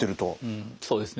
うんそうですね。